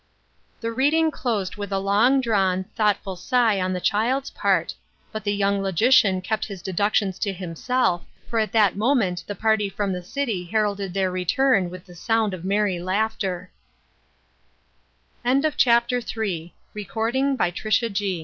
The reading closed with a long drawn, thought ful sigh on the child's part, but the young logician kept his deductions to himself, for at that moment the party from the city heralded their return with the sound of merry laug